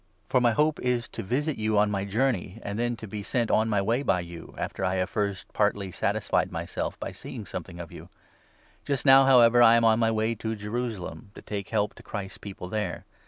24 For my hope is to visit you on my journey, and then to be sent on my way by you, after I have first partly satis fied myself by seeing something of you. Just now, however, 25 I am on my way to Jerusalem, to take help to Christ's People there.